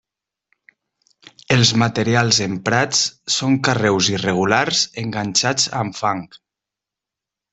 Els materials emprats són carreus irregulars enganxats amb fang.